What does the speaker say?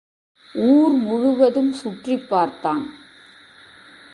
ஊர் முழுவதும் சுற்றிப்பார்த்தான்.